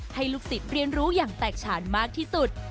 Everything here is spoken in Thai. ให้ลูกศิษย์เรียนรู้อย่างแตกฉานมากที่สุด